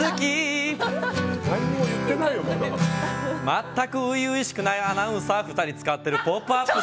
全く初々しくないアナウンサー２人使ってる「ポップＵＰ！」